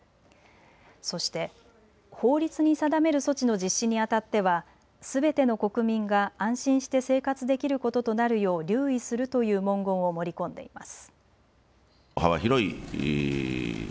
そして法律に定める措置の実施にあたってはすべての国民が安心して生活できることとなるよう留意するという文言を盛り込んでいます。